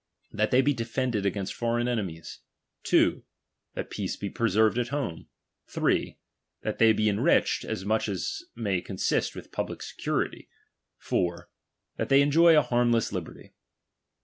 That ^ they be defended against foreign enemies. 2. That ™ peace be preserved at home. 3. That they be en *" riched, as much as may consist with public security. 4, That they enjoy a harmless liberty.